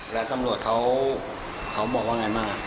แล้วตำรวจเขาบอกว่าไงบ้าง